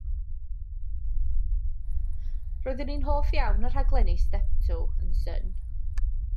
Roeddwn i'n hoff iawn o'r rhaglenni Steptoe and son.